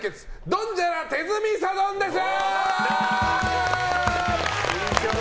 ドンジャラ手積みサドンデス！